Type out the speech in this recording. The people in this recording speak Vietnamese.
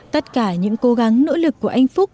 tất cả những cố gắng nỗ lực của anh phúc